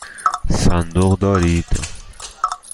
صندوق دارید؟